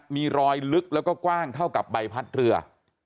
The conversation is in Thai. มีรอยลึกแล้วก็กว้างเท่ากับใบพัดเรือ